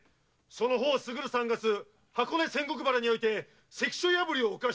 その方過ぐる三月箱根仙石原において関所破りを犯したであろう！